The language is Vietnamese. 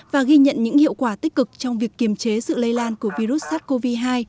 và ghi nhận những hiệu quả tích cực trong việc kiềm chế sự lây lan của virus sars cov hai